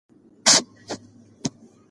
دی بېرته د خوب ځای ته د لږ ارام لپاره لاړ.